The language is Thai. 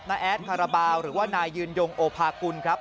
แอดคาราบาลหรือว่านายยืนยงโอภากุลครับ